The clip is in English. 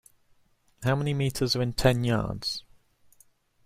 How many meters are in ten yards?